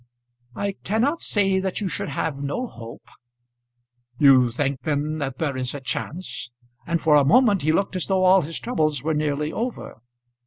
"I cannot say that you should have no hope." "You think then that there is a chance?" and for a moment he looked as though all his troubles were nearly over.